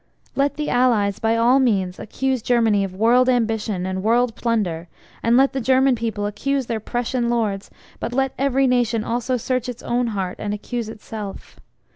Let the Allies by all means accuse Germany of world ambition and world plunder, and let the German people accuse their Prussian lords but let every nation also search its own heart and accuse itself.